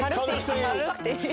軽くていい。